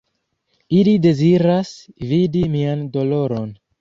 Ili deziras vidi mian doloron.